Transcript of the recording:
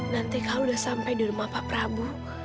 nanti kalau udah sampai di rumah pak prabu